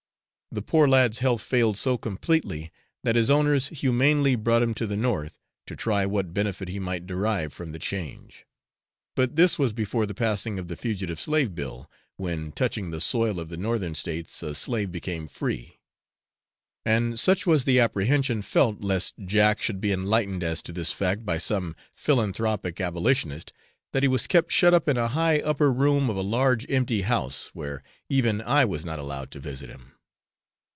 The poor lad's health failed so completely, that his owners humanely brought him to the north, to try what benefit he might derive from the change; but this was before the passing of the Fugitive Slave Bill, when touching the soil of the northern states, a slave became free; and such was the apprehension felt lest Jack should be enlightened as to this fact by some philanthropic abolitionist, that he was kept shut up in a high upper room of a large empty house, where even I was not allowed to visit him.